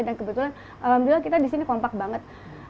dan kebetulan alhamdulillah kita di sini kompak banget